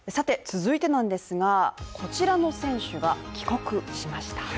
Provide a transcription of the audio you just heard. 続いてなんですが、こちらの選手が帰国しました。